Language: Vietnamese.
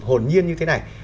hồn nhiên như thế này